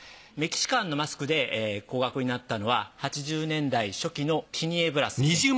メキシカンのマスクで高額になったのは８０年代初期のティニエブラスですね